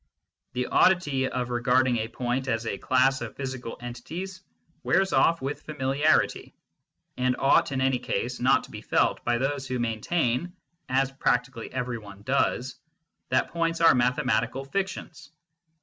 The oddity of regard ing a point as a class of physical entities wears off with familiarity, and ought in any case not to be felt by those who maintain, as practically every one does, that points are mathematical fictions.